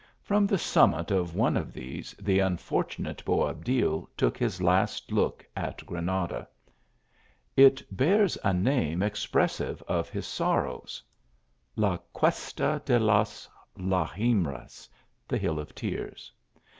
From the summit of one of these, the unfortunate Boabdil took his last look at Granada. It bears a name expressive of his sorrows La Cuesta de las Lagrimas, (the Hill of Tears.)